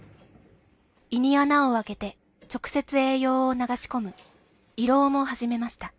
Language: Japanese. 胃に穴を開けて直接栄養を流し込む胃ろうも始めました